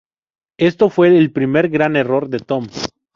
Esto fue el primer gran error de Tom.